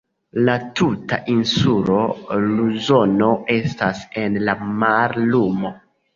La tuta insulo Luzono estas en la mallumo.